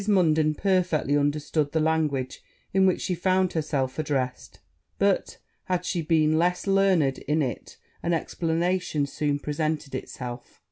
Munden perfectly understood the language in which she found herself addressed: but, had she been less learned in it, an explanation soon presented itself.